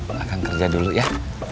aku akan kerja dulu ya